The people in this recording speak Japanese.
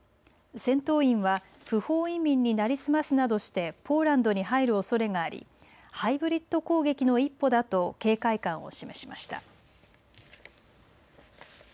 戦闘員は不法移民に成り済ますなどしてポーランドに入るおそれがありハイブリッド攻撃の一歩だと警戒感を示しました。